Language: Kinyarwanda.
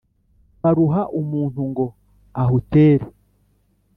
Baruha umuntu ngo ahutere,